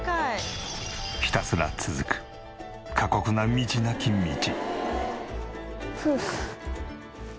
ひたすら続く過酷な道なき道。